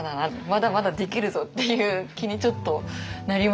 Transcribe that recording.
まだまだできるぞ！っていう気にちょっとなりましたね。